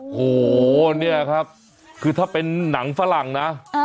โอ้โหเนี่ยครับคือถ้าเป็นหนังฝรั่งนะ